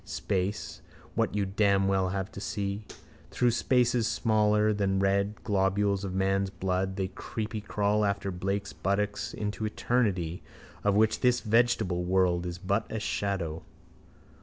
Space: what you damn well have to see. Through spaces smaller than red globules of man's blood they creepycrawl after Blake's buttocks into eternity of which this vegetable world is but a shadow.